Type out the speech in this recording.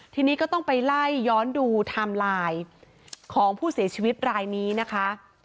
ทีนี้ก็ต้องไปไล่ย้อนดูไทม์ไลน์ของผู้เสียชีวิตรายนี้นะคะ